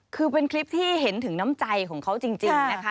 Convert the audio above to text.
คือเป็นคลิปที่เห็นถึงน้ำใจของเขาจริงนะคะ